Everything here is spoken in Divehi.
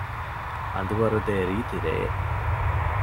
ހަނދުވަރުދޭ ރީތިރެއެއް